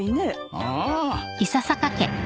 ああ。